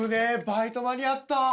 バイト間に合った。